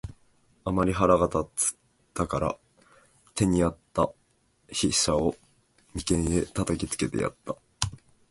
あんまり腹が立つたから、手に在つた飛車を眉間へ擲きつけてやつた。